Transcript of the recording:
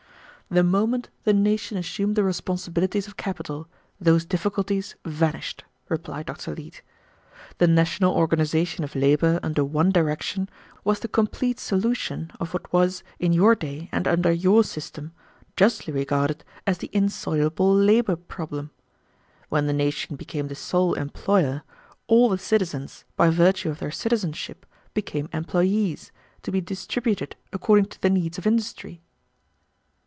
"The moment the nation assumed the responsibilities of capital those difficulties vanished," replied Dr. Leete. "The national organization of labor under one direction was the complete solution of what was, in your day and under your system, justly regarded as the insoluble labor problem. When the nation became the sole employer, all the citizens, by virtue of their citizenship, became employees, to be distributed according to the needs of industry."